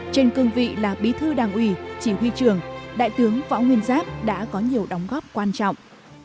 trên cương vị là bí thư đảng ủy chỉ huy trường đại tướng võ nguyên giáp đã có nhiều đóng góp quan trọng